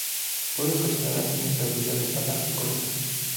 Pueden ocasionar inestabilidad de la articulación.